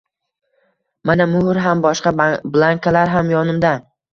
Mana muhr ham, boshqa blankalar ham yonimda